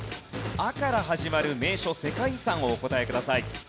「あ」から始まる名所・世界遺産をお答えください。